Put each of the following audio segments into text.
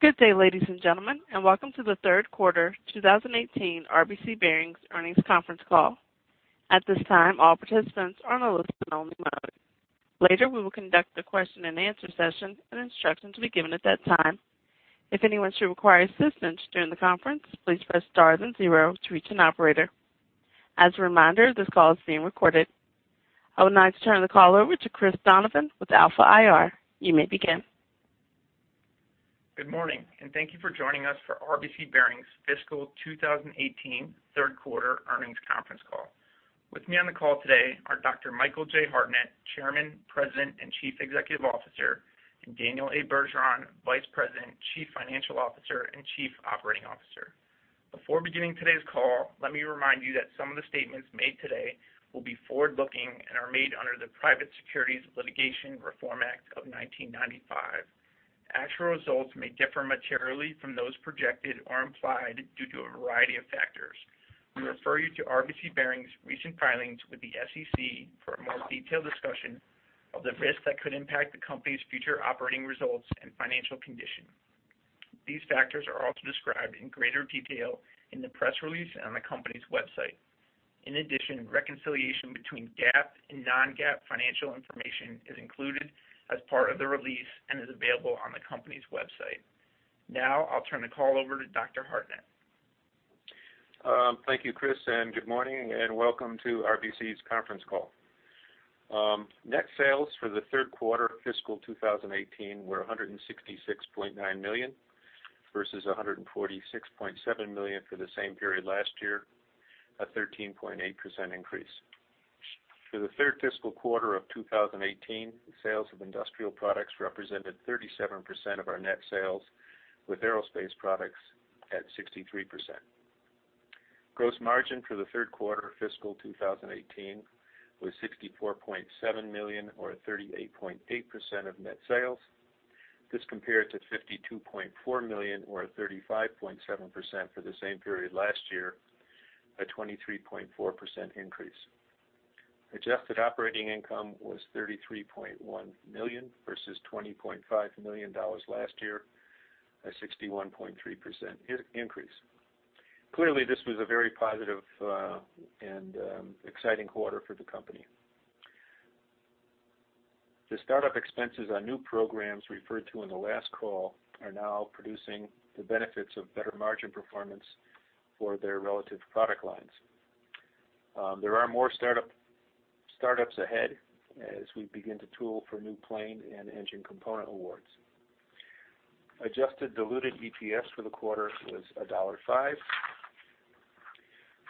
Good day, ladies and gentlemen, and welcome to the Third Quarter 2018 RBC Bearings Earnings Conference Call. At this time, all participants are in a listen-only mode. Later, we will conduct a question-and-answer session, and instructions will be given at that time. If anyone should require assistance during the conference, please press star and then zero to reach an operator. As a reminder, this call is being recorded. I would like to turn the call over to Chris Donovan with Alpha IR. You may begin. Good morning, and thank you for joining us for RBC Bearings Fiscal 2018 Third Quarter Earnings Conference Call. With me on the call today are Dr. Michael J. Hartnett, Chairman, President, and Chief Executive Officer, and Daniel A. Bergeron, Vice President, Chief Financial Officer, and Chief Operating Officer. Before beginning today's call, let me remind you that some of the statements made today will be forward-looking and are made under the Private Securities Litigation Reform Act of 1995. Actual results may differ materially from those projected or implied due to a variety of factors. We refer you to RBC Bearings' recent filings with the SEC for a more detailed discussion of the risks that could impact the company's future operating results and financial condition. These factors are also described in greater detail in the press release on the company's website. In addition, reconciliation between GAAP and non-GAAP financial information is included as part of the release and is available on the company's website. Now I'll turn the call over to Dr. Hartnett. Thank you, Chris, and good morning, and welcome to RBC's Conference Call. Net sales for the third quarter fiscal 2018 were $166.9 million versus $146.7 million for the same period last year, a 13.8% increase. For the third fiscal quarter of 2018, sales of industrial products represented 37% of our net sales, with aerospace products at 63%. Gross margin for the third quarter fiscal 2018 was $64.7 million or 38.8% of net sales. This compared to $52.4 million or 35.7% for the same period last year, a 23.4% increase. Adjusted operating income was $33.1 million versus $20.5 million last year, a 61.3% increase. Clearly, this was a very positive and exciting quarter for the company. The startup expenses on new programs referred to in the last call are now producing the benefits of better margin performance for their relative product lines. There are more startups ahead as we begin to tool for new plane and engine component awards. Adjusted Diluted EPS for the quarter was $1.05.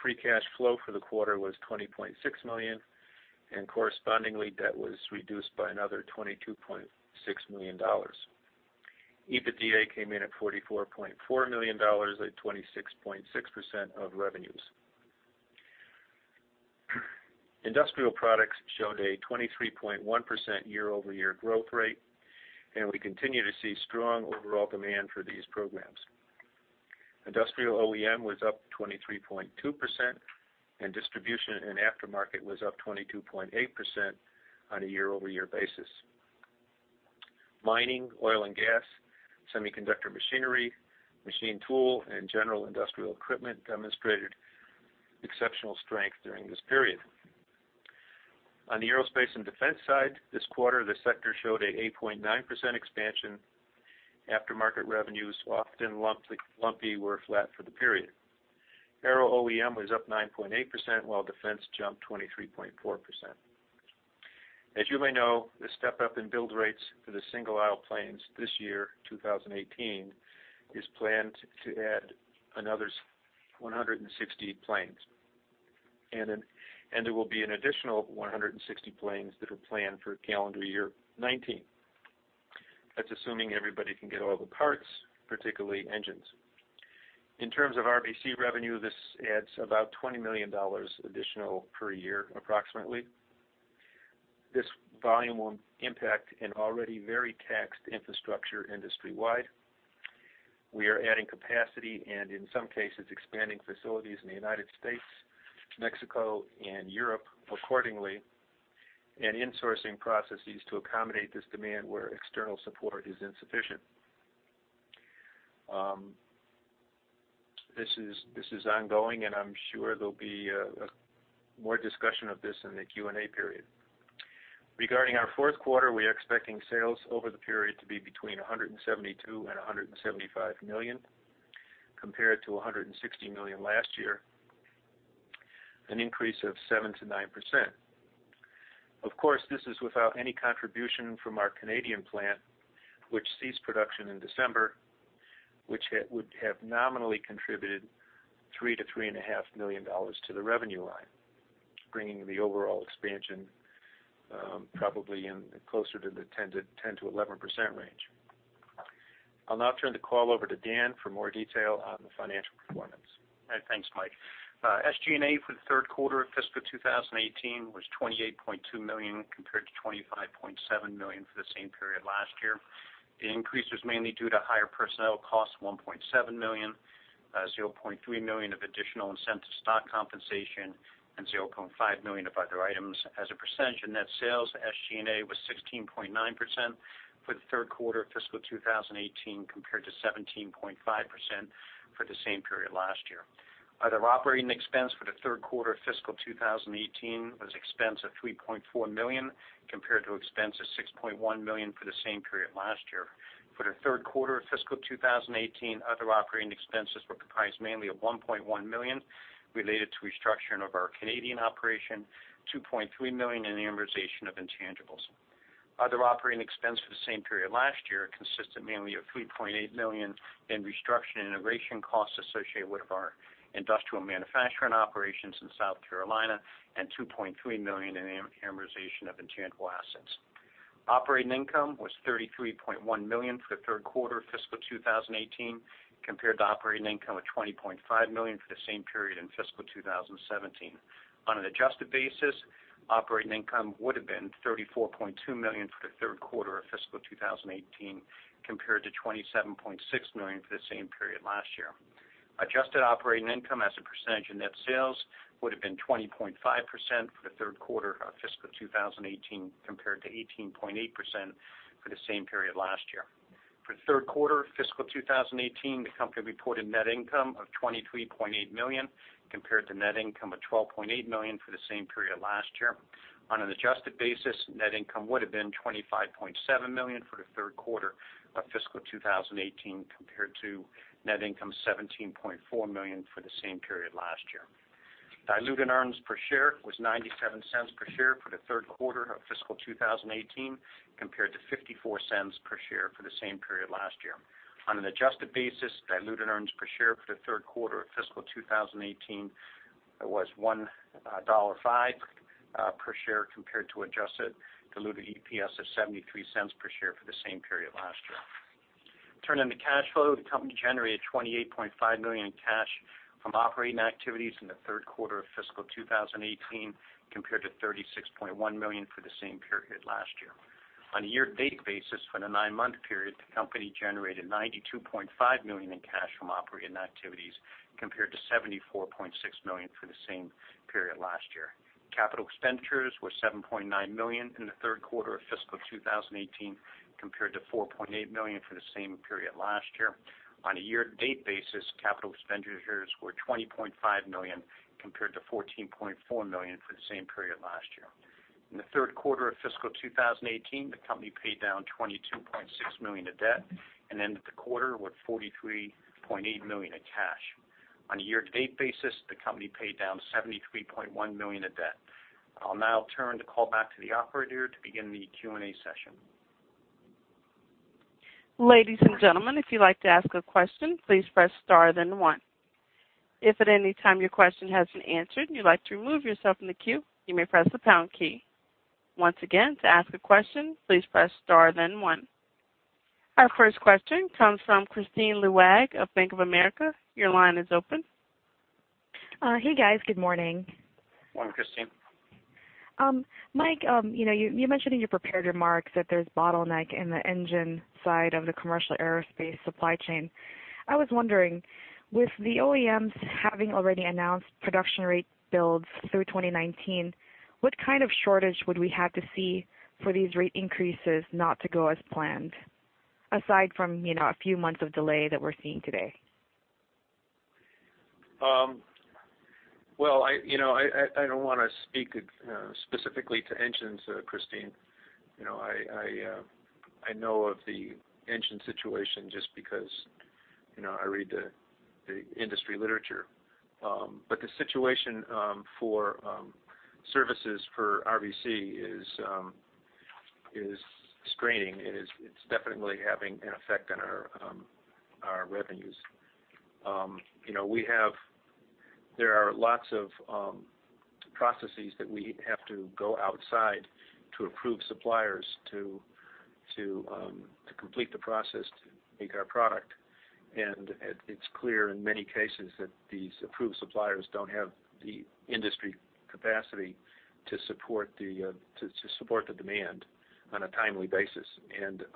Free cash flow for the quarter was $20.6 million, and correspondingly, debt was reduced by another $22.6 million. EBITDA came in at $44.4 million, a 26.6% of revenues. Industrial products showed a 23.1% year-over-year growth rate, and we continue to see strong overall demand for these programs. Industrial OEM was up 23.2%, and distribution and aftermarket was up 22.8% on a year-over-year basis. Mining, oil and gas, semiconductor machinery, machine tool, and general industrial equipment demonstrated exceptional strength during this period. On the aerospace and defense side, this quarter, the sector showed an 8.9% expansion. Aftermarket revenues, often lumpy, were flat for the period. Aero OEM was up 9.8%, while defense jumped 23.4%. As you may know, the step-up in build rates for the single-aisle planes this year, 2018, is planned to add another 160 planes, and there will be an additional 160 planes that are planned for calendar year 2019. That's assuming everybody can get all the parts, particularly engines. In terms of RBC revenue, this adds about $20 million additional per year, approximately. This volume will impact an already very taxed infrastructure industry-wide. We are adding capacity and, in some cases, expanding facilities in the United States, Mexico, and Europe, accordingly, and insourcing processes to accommodate this demand where external support is insufficient. This is ongoing, and I'm sure there'll be more discussion of this in the Q&A period. Regarding our fourth quarter, we are expecting sales over the period to be between $172 million and $175 million compared to $160 million last year, an increase of 7%-9%. Of course, this is without any contribution from our Canadian plant, which ceased production in December, which would have nominally contributed $3 million to $3.5 million to the revenue line, bringing the overall expansion probably closer to the 10%-11% range. I'll now turn the call over to Dan for more detail on the financial performance. All right. Thanks, Mike. SG&A for the third quarter of fiscal 2018 was $28.2 million compared to $25.7 million for the same period last year. The increase was mainly due to higher personnel costs, $1.7 million, $0.3 million of additional incentive stock compensation, and $0.5 million of other items. As a percentage of net sales, SG&A was 16.9% for the third quarter of fiscal 2018 compared to 17.5% for the same period last year. Other operating expense for the third quarter of fiscal 2018 was expense of $3.4 million compared to expense of $6.1 million for the same period last year. For the third quarter of fiscal 2018, other operating expenses were comprised mainly of $1.1 million related to restructuring of our Canadian operation, $2.3 million in amortization of intangibles. Other operating expense for the same period last year consisted mainly of $3.8 million in restructuring integration costs associated with our industrial manufacturing operations in South Carolina, and $2.3 million in amortization of intangible assets. Operating income was $33.1 million for the third quarter of fiscal 2018 compared to operating income of $20.5 million for the same period in fiscal 2017. On an adjusted basis, operating income would have been $34.2 million for the third quarter of fiscal 2018 compared to $27.6 million for the same period last year. Adjusted operating income as a percentage of net sales would have been 20.5% for the third quarter of fiscal 2018 compared to 18.8% for the same period last year. For the third quarter of fiscal 2018, the company reported net income of $23.8 million compared to net income of $12.8 million for the same period last year. On an adjusted basis, net income would have been $25.7 million for the third quarter of fiscal 2018 compared to net income of $17.4 million for the same period last year. Diluted earnings per share was $0.97 per share for the third quarter of fiscal 2018 compared to $0.54 per share for the same period last year. On an adjusted basis, diluted earnings per share for the third quarter of fiscal 2018 was $1.05 per share compared to adjusted diluted EPS of $0.73 per share for the same period last year. Turning to cash flow, the company generated $28.5 million in cash from operating activities in the third quarter of fiscal 2018 compared to $36.1 million for the same period last year. On a year-to-date basis, for the nine-month period, the company generated $92.5 million in cash from operating activities compared to $74.6 million for the same period last year. Capital expenditures were $7.9 million in the third quarter of fiscal 2018 compared to $4.8 million for the same period last year. On a year-to-date basis, capital expenditures were $20.5 million compared to $14.4 million for the same period last year. In the third quarter of fiscal 2018, the company paid down $22.6 million of debt and ended the quarter with $43.8 million of cash. On a year-to-date basis, the company paid down $73.1 million of debt. I'll now turn the call back to the operator to begin the Q&A session. Ladies and gentlemen, if you'd like to ask a question, please press star then one. If at any time your question hasn't answered and you'd like to remove yourself from the queue, you may press the pound key. Once again, to ask a question, please press star then one. Our first question comes from Kristine Liwag of Bank of America. Your line is open. Hey, guys. Good morning. Morning, Kristine. Mike, you mentioned in your prepared remarks that there's a bottleneck in the engine side of the commercial aerospace supply chain. I was wondering, with the OEMs having already announced production rate builds through 2019, what kind of shortage would we have to see for these rate increases not to go as planned, aside from a few months of delay that we're seeing today? Well, I don't want to speak specifically to engines, Kristine. I know of the engine situation just because I read the industry literature. The situation for services for RBC is straining. It's definitely having an effect on our revenues. There are lots of processes that we have to go outside to approve suppliers to complete the process to make our product. It's clear in many cases that these approved suppliers don't have the industry capacity to support the demand on a timely basis.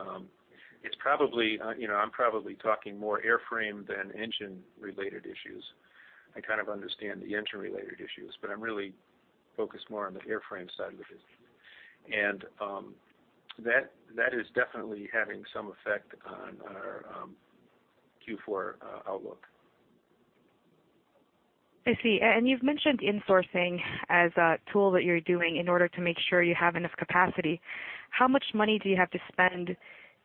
I'm probably talking more airframe than engine-related issues. I kind of understand the engine-related issues, but I'm really focused more on the airframe side of the business. That is definitely having some effect on our Q4 outlook. I see. And you've mentioned insourcing as a tool that you're doing in order to make sure you have enough capacity. How much money do you have to spend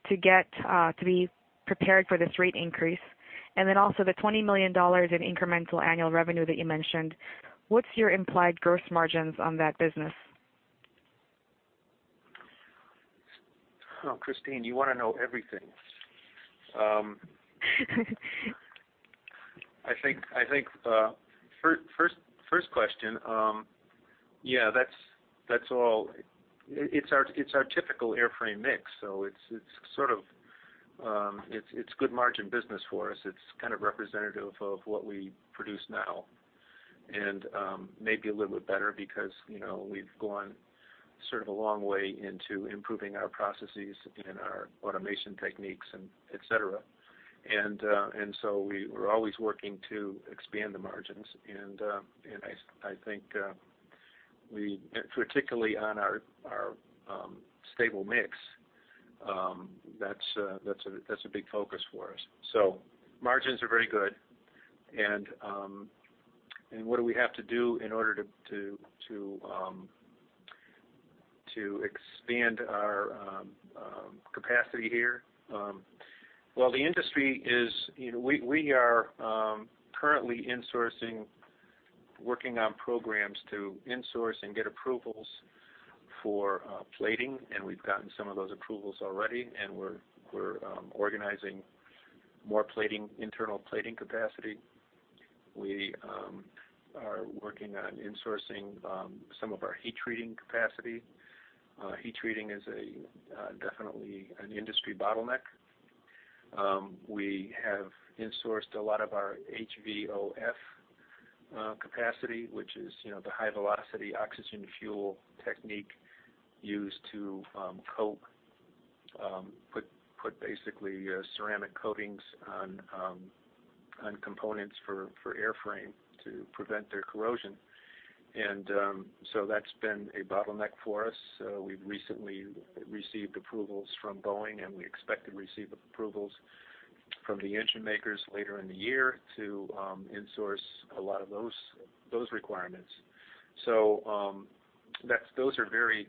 to be prepared for this rate increase? And then also, the $20 million in incremental annual revenue that you mentioned, what's your implied gross margins on that business? Kristine, you want to know everything. I think first question, yeah, that's all. It's our typical airframe mix, it's good margin business for us. It's kind of representative of what we produce now and maybe a little bit better because we've gone sort of a long way into improving our processes and our automation techniques, etc. And so we're always working to expand the margins. And I think particularly on our stable mix, that's a big focus for us. So margins are very good. And what do we have to do in order to expand our capacity here? Well, the industry is we are currently insourcing, working on programs to insource and get approvals for plating, and we've gotten some of those approvals already. And we're organizing more internal plating capacity. We are working on insourcing some of our heat-treating capacity. Heat treating is definitely an industry bottleneck. We have insourced a lot of our HVOF capacity, which is the high-velocity oxygen fuel technique used to coat, put basically ceramic coatings on components for airframe to prevent their corrosion. And so that's been a bottleneck for us. We've recently received approvals from Boeing, and we expect to receive approvals from the engine makers later in the year to insource a lot of those requirements. So those are very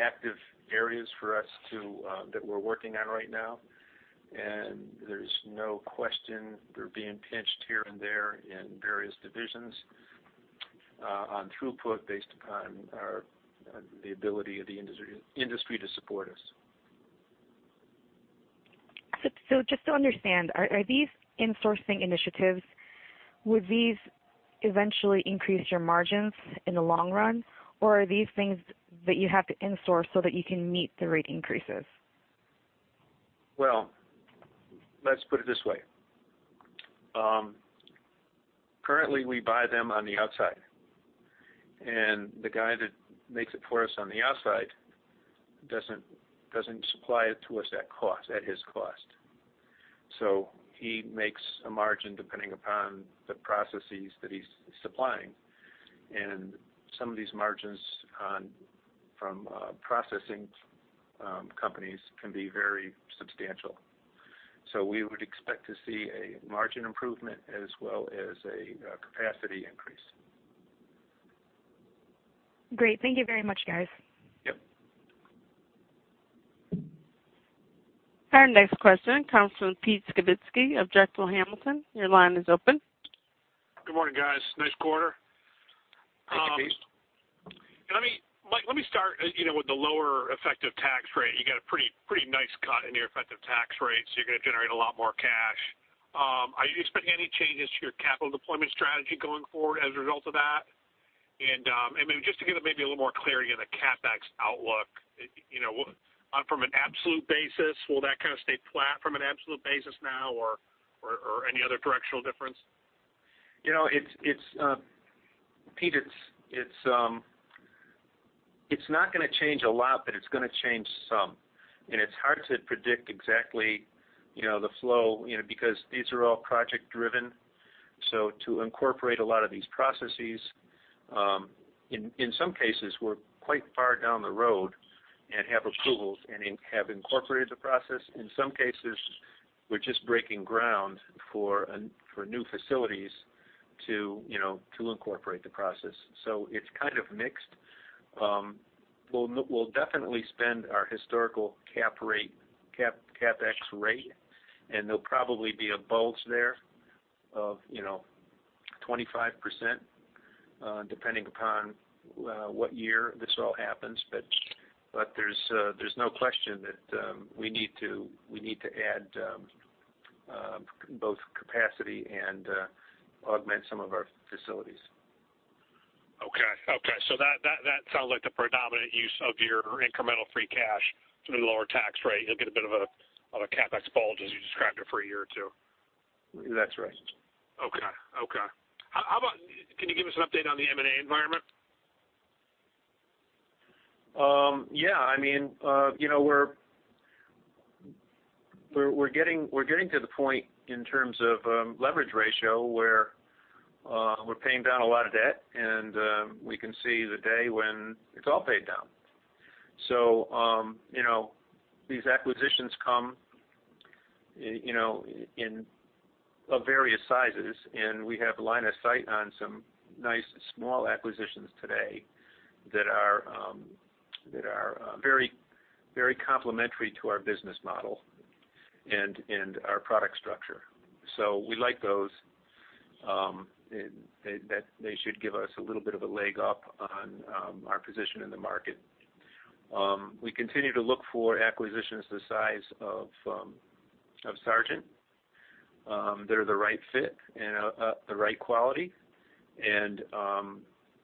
active areas that we're working on right now. And there's no question. They're being pinched here and there in various divisions on throughput based upon the ability of the industry to support us. So just to understand, are these insourcing initiatives? Would these eventually increase your margins in the long run, or are these things that you have to insource so that you can meet the rate increases? Well, let's put it this way. Currently, we buy them on the outside. The guy that makes it for us on the outside doesn't supply it to us at his cost. He makes a margin depending upon the processes that he's supplying. Some of these margins from processing companies can be very substantial. We would expect to see a margin improvement as well as a capacity increase. Great. Thank you very much, guys. Our next question comes from Pete Skibitski of Drexel Hamilton. Your line is open. Good morning, guys. Nice quarter. Thank you, Pete. Mike, let me start with the lower effective tax rate. You got a pretty nice cut in your effective tax rate, so you're going to generate a lot more cash. Are you expecting any changes to your capital deployment strategy going forward as a result of that? Just to get maybe a little more clarity on the CapEx outlook, from an absolute basis, will that kind of stay flat from an absolute basis now or any other directional difference? Pete, it's not going to change a lot, but it's going to change some. It's hard to predict exactly the flow because these are all project-driven. To incorporate a lot of these processes, in some cases, we're quite far down the road and have approvals and have incorporated the process. In some cases, we're just breaking ground for new facilities to incorporate the process. It's kind of mixed. We'll definitely spend our historical CapEx rate, and there'll probably be a bulge there of 25% depending upon what year this all happens. There's no question that we need to add both capacity and augment some of our facilities. Okay. Okay. So that sounds like the predominant use of your incremental free cash through the lower tax rate. You'll get a bit of a CapEx bulge as you described it for a year or two. That's right. Okay. Okay. Can you give us an update on the M&A environment? Yeah. I mean, we're getting to the point in terms of leverage ratio where we're paying down a lot of debt, and we can see the day when it's all paid down. So these acquisitions come in various sizes, and we have line of sight on some nice small acquisitions today that are very complementary to our business model and our product structure. So we like those. They should give us a little bit of a leg up on our position in the market. We continue to look for acquisitions the size of Sargent that are the right fit and the right quality. And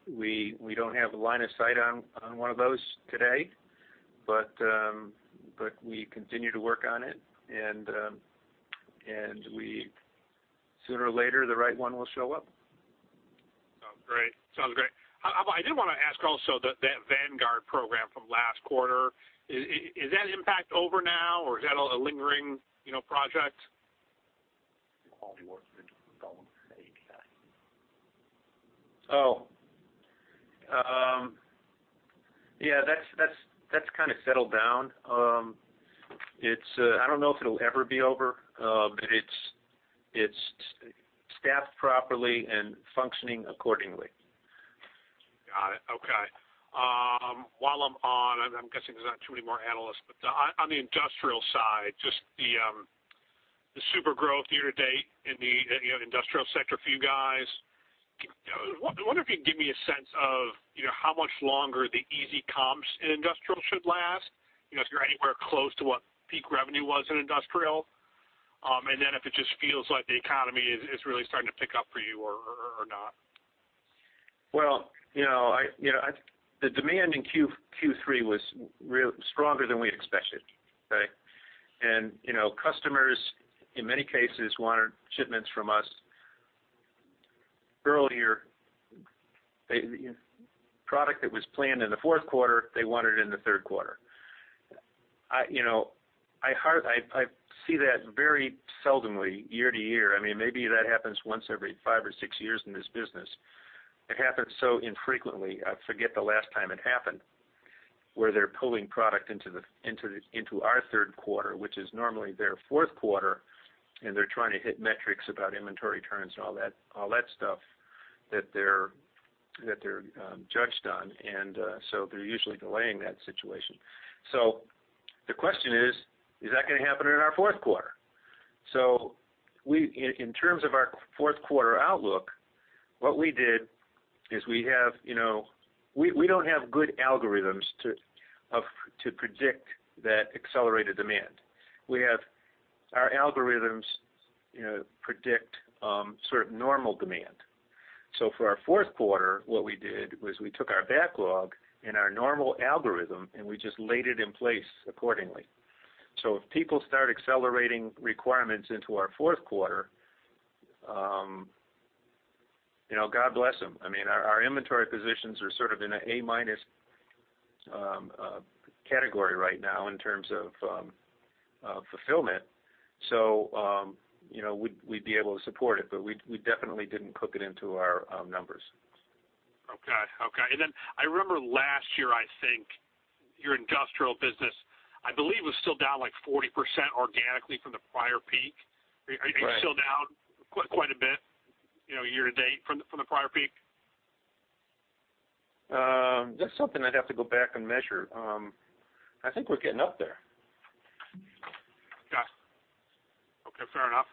we don't have line of sight on one of those today, but we continue to work on it. And sooner or later, the right one will show up. Sounds great. Sounds great. I did want to ask also that Vanguard program from last quarter, is that impact over now, or is that a lingering project? Oh. Yeah, that's kind of settled down. I don't know if it'll ever be over, but it's staffed properly and functioning accordingly. Got it. Okay. While I'm on, I'm guessing there's not too many more analysts, but on the industrial side, just the super growth year-to-date in the industrial sector for you guys, I wonder if you can give me a sense of how much longer the easy comps in industrial should last, if you're anywhere close to what peak revenue was in industrial, and then if it just feels like the economy is really starting to pick up for you or not? Well, the demand in Q3 was stronger than we expected, right? Customers, in many cases, wanted shipments from us earlier. Product that was planned in the fourth quarter, they wanted it in the third quarter. I see that very seldom year-to-year. Maybe that happens once every five or six years in this business. It happens so infrequently. I forget the last time it happened where they're pulling product into our third quarter, which is normally their fourth quarter, and they're trying to hit metrics about inventory turns and all that stuff that they're judged on. So they're usually delaying that situation. So the question is, is that going to happen in our fourth quarter? So in terms of our fourth quarter outlook, what we did is, we don't have good algorithms to predict that accelerated demand. Our algorithms predict sort of normal demand. So for our fourth quarter, what we did was we took our backlog and our normal algorithm, and we just laid it in place accordingly. So if people start accelerating requirements into our fourth quarter, God bless them. I mean, our inventory positions are sort of in an A- category right now in terms of fulfillment. So we'd be able to support it, but we definitely didn't cook it into our numbers. Okay. And then I remember last year, I think, your industrial business, I believe, was still down like 40% organically from the prior peak. Are you still down quite a bit year-to-date from the prior peak? That's something I'd have to go back and measure. I think we're getting up there. Okay. Fair enough.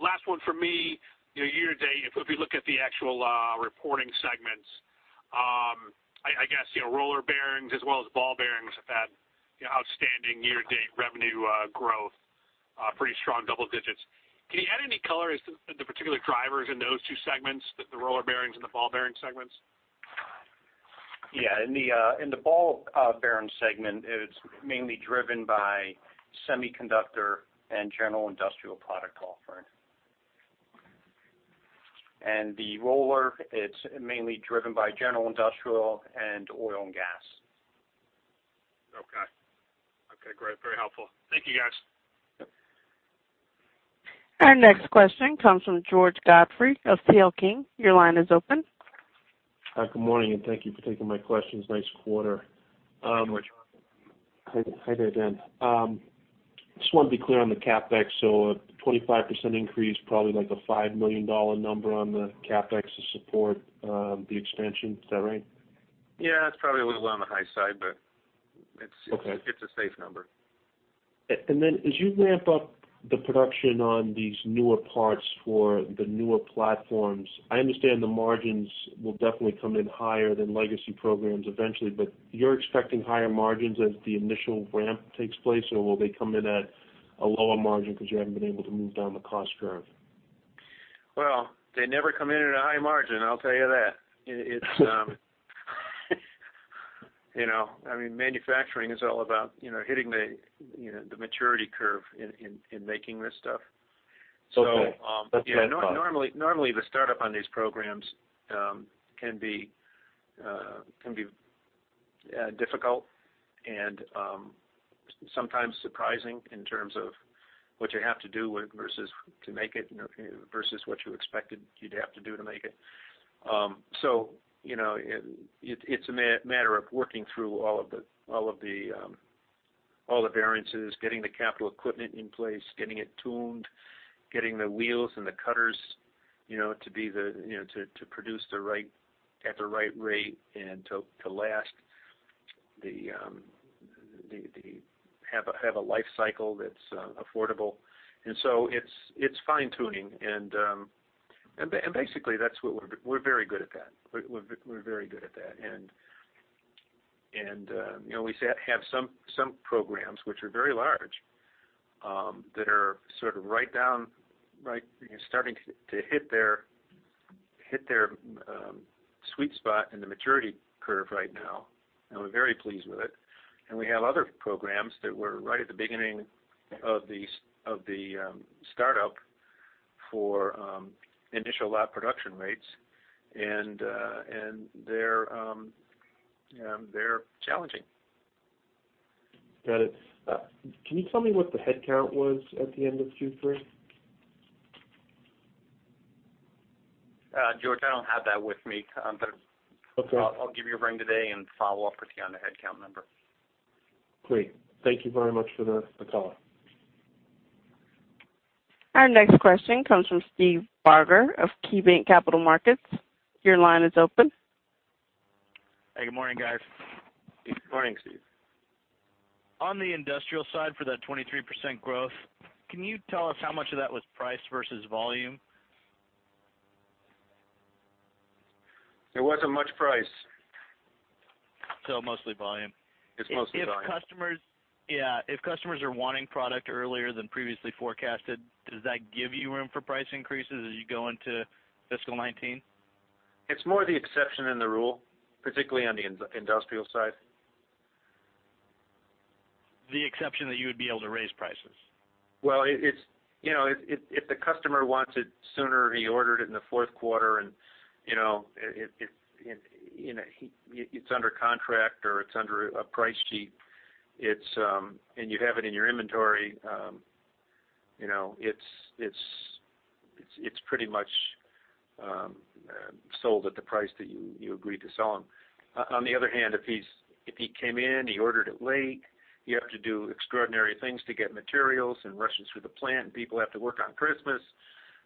Last one for me, year-to-date, if we look at the actual reporting segments, I guess roller bearings as well as ball bearings have had outstanding year-to-date revenue growth, pretty strong double digits. Can you add any color as to the particular drivers in those two segments, the roller bearings and the ball bearing segments? In the ball bearing segment, it's mainly driven by semiconductor and general industrial product offering. And the roller, it's mainly driven by general industrial and oil and gas. Great. Very helpful. Thank you, guys. Our next question comes from George Godfrey of C.L. King. Your line is open. Good morning. Thank you for taking my questions. Nice quarter. Hey, George. Hi there, Dan. I just want to be clear on the CapEx. So a 25% increase, probably like a $5 million number on the CapEx to support the expansion. Is that right? It's probably a little on the high side, but it's a safe number. And then as you ramp up the production on these newer parts for the newer platforms, I understand the margins will definitely come in higher than legacy programs eventually, but you're expecting higher margins as the initial ramp takes place, or will they come in at a lower margin because you haven't been able to move down the cost curve? Well, they never come in at a high margin. I'll tell you that. I mean, manufacturing is all about hitting the maturity curve in making this stuff. So normally, the startup on these programs can be difficult and sometimes surprising in terms of what you have to do versus to make it versus what you expected you'd have to do to make it. So it's a matter of working through all of the variances, getting the capital equipment in place, getting it tuned, getting the wheels and the cutters to be to produce at the right rate and to last, have a lifecycle that's affordable. And so it's fine-tuning. And basically, we're very good at that. We're very good at that. And we have some programs, which are very large, that are sort of right down, starting to hit their sweet spot in the maturity curve right now. We're very pleased with it. We have other programs that were right at the beginning of the startup for initial lot production rates, and they're challenging. Got it. Can you tell me what the headcount was at the end of Q3? George, I don't have that with me, but I'll give you a ring today and follow up with you on the headcount number. Great. Thank you very much for the call. Our next question comes from Steve Barger of KeyBanc Capital Markets. Your line is open. Hey. Good morning, guys. Good morning, Steve. On the industrial side for that 23% growth, can you tell us how much of that was price versus volume? There wasn't much price. Mostly volume. It's mostly volume. Yeah. If customers are wanting product earlier than previously forecasted, does that give you room for price increases as you go into fiscal 2019? It's more the exception than the rule, particularly on the industrial side. The exception that you would be able to raise prices. Well, if the customer wants it sooner or he ordered it in the fourth quarter, and it's under contract or it's under a price sheet, and you have it in your inventory, it's pretty much sold at the price that you agreed to sell them. On the other hand, if he came in, he ordered it late, you have to do extraordinary things to get materials and rush it through the plant, and people have to work on Christmas,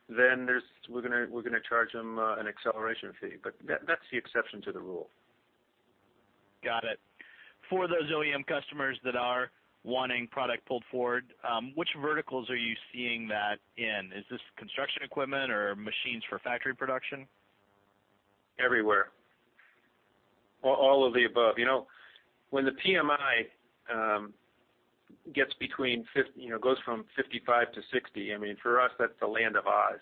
then we're going to charge them an acceleration fee. But that's the exception to the rule. Got it. For those OEM customers that are wanting product pulled forward, which verticals are you seeing that in? Is this construction equipment or machines for factory production? Everywhere. All of the above. When the PMI goes from 55-60, I mean, for us, that's the land of Oz.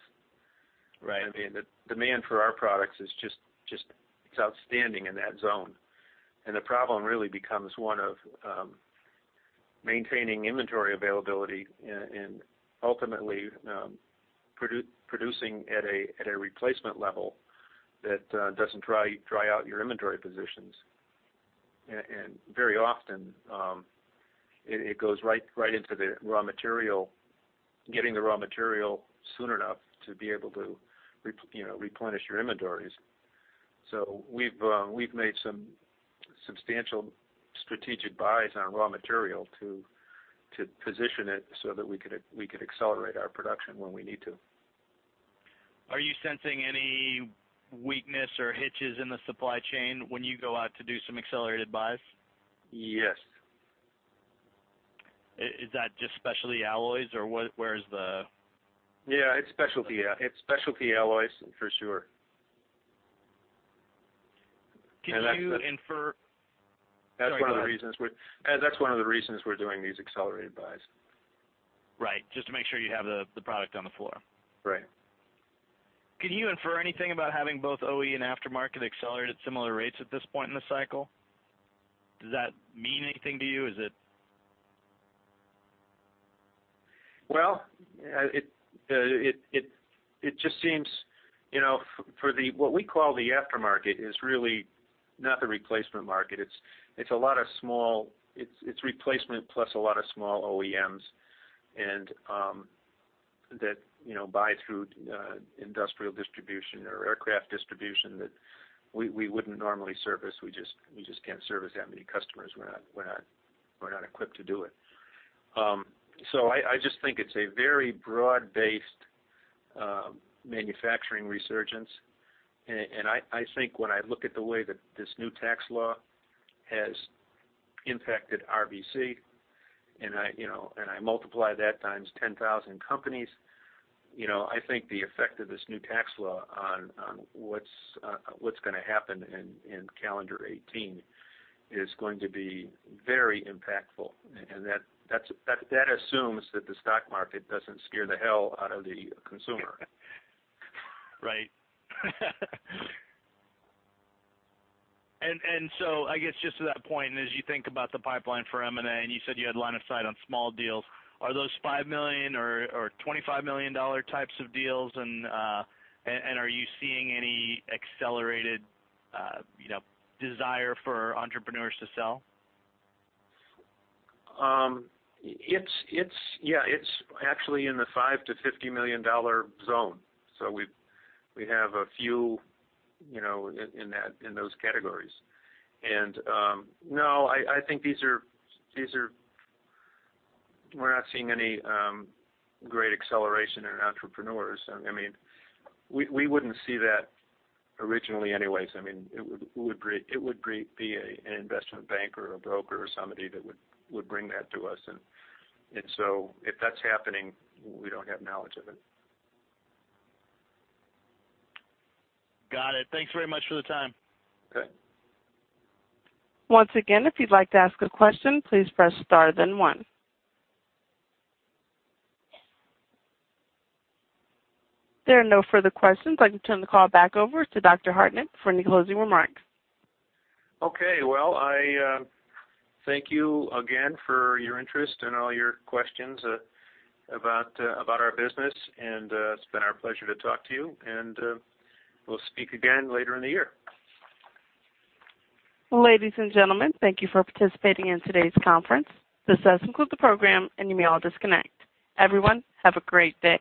I mean, the demand for our products is just it's outstanding in that zone. And the problem really becomes one of maintaining inventory availability and ultimately producing at a replacement level that doesn't dry out your inventory positions. And very often, it goes right into the raw material, getting the raw material soon enough to be able to replenish your inventories. So we've made some substantial strategic buys on raw material to position it so that we could accelerate our production when we need to. Are you sensing any weakness or hitches in the supply chain when you go out to do some accelerated buys? Yes. Is that just specialty alloys, or where's the? Yeah. It's specialty alloys, for sure. Can you infer? That's one of the reasons we're doing these accelerated buys. Right. Just to make sure you have the product on the floor. Right. Can you infer anything about having both OE and aftermarket accelerate at similar rates at this point in the cycle? Does that mean anything to you? Is it? Well, it just seems for what we call the aftermarket is really not the replacement market. It's a lot of small, it's replacement plus a lot of small OEMs that buy through industrial distribution or aircraft distribution that we wouldn't normally service. We just can't service that many customers. We're not equipped to do it. So I just think it's a very broad-based manufacturing resurgence. And I think when I look at the way that this new tax law has impacted RBC, and I multiply that x10,000 companies, I think the effect of this new tax law on what's going to happen in calendar 2018 is going to be very impactful. And that assumes that the stock market doesn't scare the hell out of the consumer. Right. And so I guess just to that point, and as you think about the pipeline for M&A, and you said you had line of sight on small deals, are those $5 million or $25 million types of deals? And are you seeing any accelerated desire for entrepreneurs to sell? Yeah. It's actually in the $5 million to $50 million zone. So we have a few in those categories. And no, I think these are we're not seeing any great acceleration in entrepreneurs. I mean, we wouldn't see that originally anyways. I mean, it would be an investment bank or a broker or somebody that would bring that to us. And so if that's happening, we don't have knowledge of it. Got it. Thanks very much for the time. Okay. Once again, if you'd like to ask a question, please press star then one. If there are no further questions, I can turn the call back over to Dr. Hartnett for any closing remarks. Okay. Well, thank you again for your interest and all your questions about our business. And it's been our pleasure to talk to you. And we'll speak again later in the year. Ladies and gentlemen, thank you for participating in today's conference. This does conclude the program, and you may all disconnect. Everyone, have a great day.